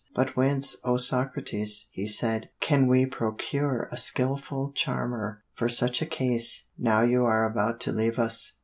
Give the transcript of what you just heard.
"'But whence, O Socrates,' he said, 'can we procure a skilful charmer for such a case, now you are about to leave us.'